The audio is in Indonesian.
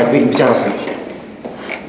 santi aku ingin bicara sama kamu